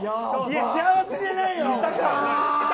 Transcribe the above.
幸せじゃないよ！